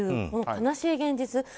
この悲しい現実。